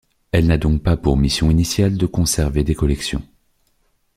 Elle n’a donc pas pour mission initiale de conserver des collections.